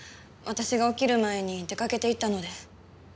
私が起きる前に出かけていったので。